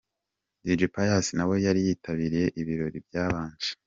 Dj Pius nawe yari yitabiriye ibirori byabanje.